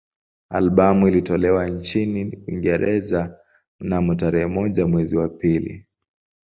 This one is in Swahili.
Albamu ilitolewa nchini Uingereza mnamo tarehe moja mwezi wa pili